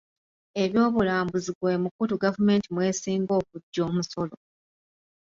Eby'obulambuzi gwe mukutu gavumenti mw'esinga okuggya omusolo.